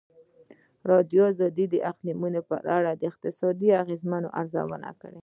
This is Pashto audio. ازادي راډیو د اقلیتونه په اړه د اقتصادي اغېزو ارزونه کړې.